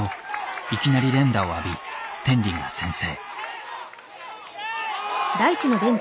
いきなり連打を浴び天理が先制。